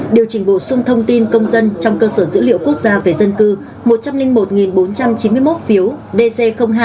điều chỉnh bổ sung thông tin công dân trong cơ sở dữ liệu quốc gia về dân cư một trăm linh một bốn trăm chín mươi một phiếu dc hai